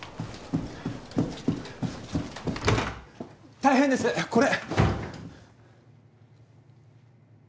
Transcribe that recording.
大変ですこれ！